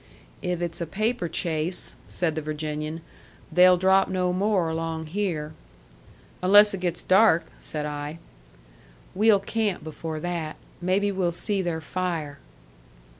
"If it's a paper chase," said the Virginian, "they'll drop no more along here." "Unless it gets dark," said I. "We'll camp before that. Maybe we'll see their fire."